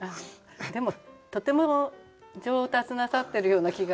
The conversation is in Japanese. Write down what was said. でもとても上達なさってるような気が。